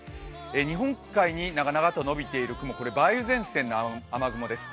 日本海に長々とのびている雲、これ梅雨前線の雨雲です。